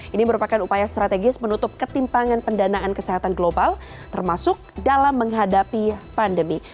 ini merupakan upaya strategis menutup ketimpangan pendanaan kesehatan global termasuk dalam menghadapi pandemi